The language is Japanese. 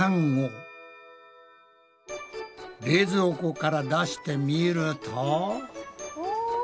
冷蔵庫から出してみると。